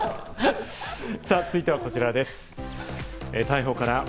続いてはこちらです。